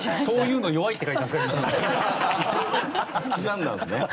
刻んだんですね。